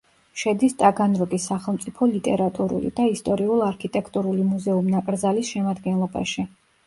შედის ტაგანროგის სახელმწიფო ლიტერატურული და ისტორიულ-არქიტექტურული მუზეუმ-ნაკრძალის შემადგენლობაში.